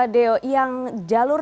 deo yang jalur